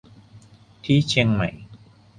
ที่เชียงใหม่